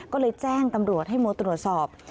ก็เลยแจ้งตำรวจให้โมตรวจสอบ